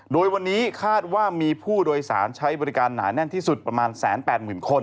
โดยวันนี้คาดว่ามีผู้โดยสารใช้บริการหนาแน่นที่สุดประมาณ๑๘๐๐๐คน